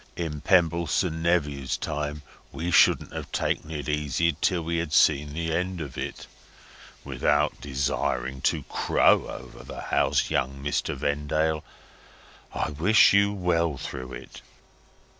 In Pebbleson Nephew's time we shouldn't have taken it easy till we had seen the end of it. Without desiring to crow over the house, young Mr. Vendale, I wish you well through it.